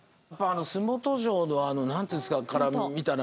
洲本城の何ていうんですかから見た大阪湾。